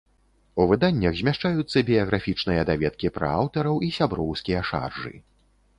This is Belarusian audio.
У выданнях змяшчаюцца біяграфічныя даведкі пра аўтараў і сяброўскія шаржы.